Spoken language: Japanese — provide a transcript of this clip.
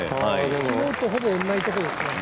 昨日とほぼ同じところですね。